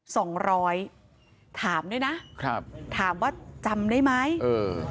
สองร้อยถามด้วยนะครับถามว่าจำได้ไหมเออ